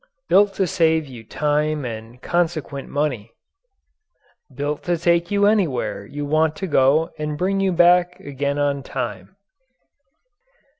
Built to save you time and consequent money. Built to take you anywhere you want to go and bring you back again on time.